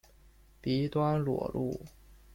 鼻端裸露。